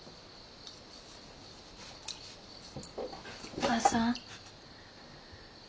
お母さん。